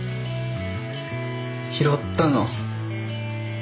拾ったの。